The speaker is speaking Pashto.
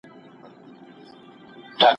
زه پرون د زده کړو تمرين وکړ!!